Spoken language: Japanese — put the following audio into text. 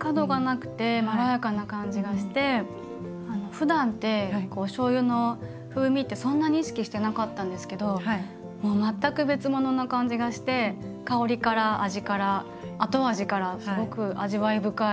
ふだんっておしょうゆの風味ってそんなに意識してなかったんですけどもう全く別ものな感じがして香りから味から後味からすごく味わい深い。